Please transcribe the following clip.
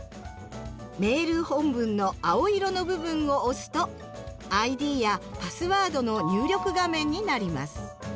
メール本文の青色の部分を押すとＩＤやパスワードの入力画面になります。